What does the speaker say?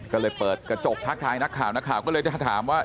ก็เลยเปิดกระจกทักทายนักข่าวนักข่าวก็เลยจะถามว่า